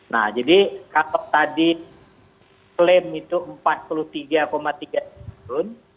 nah jadi kalau tadi klaim itu empat puluh tiga tiga triliun